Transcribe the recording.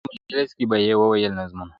په مجلس کي به یې وویل نظمونه-